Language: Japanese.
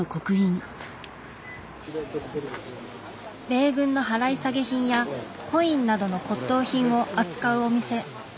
米軍の払い下げ品やコインなどの骨董品を扱うお店。